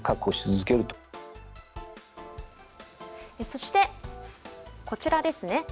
そして、こちらですね。